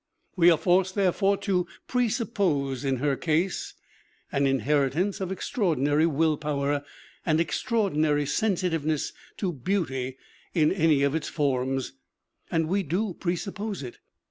We are forced, therefore, to presuppose in her case an inheritance of extraordinary will power and extraordinary sensitiveness to beauty in any of its forms. And we do presuppose it!